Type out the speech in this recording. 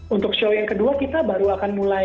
untuk show yang kedua kita baru akan mulai